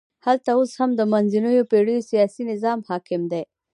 هلته اوس هم د منځنیو پېړیو سیاسي نظام حاکم دی.